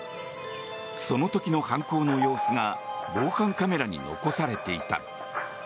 その時の犯行の様子が防犯カメラに残されていた。